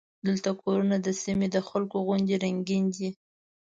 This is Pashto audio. دلته کورونه د سیمې د خلکو غوندې رنګین دي.